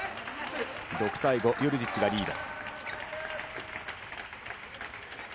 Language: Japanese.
６対５、ヨルジッチがリード。